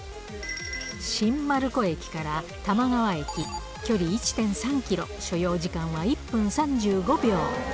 新丸子駅から多摩川駅、距離１．３キロ、所要時間は１分３５秒。